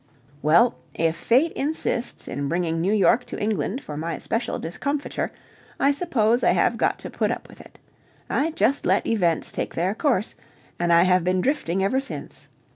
Well, if Fate insists in bringing New York to England for my special discomfiture, I suppose I have got to put up with it. I just let events take their course, and I have been drifting ever since.